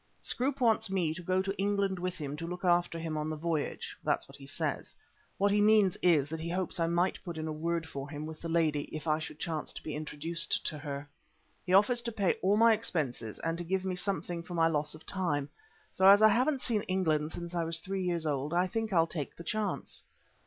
Scroope wants me to go to England with him to look after him on the voyage that's what he says. What he means is that he hopes I might put in a word for him with the lady, if I should chance to be introduced to her. He offers to pay all my expenses and to give me something for my loss of time. So, as I haven't seen England since I was three years old, I think I'll take the chance."